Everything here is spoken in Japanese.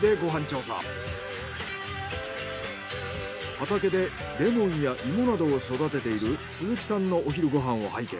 畑でレモンや芋などを育てている鈴木さんのお昼ご飯を拝見。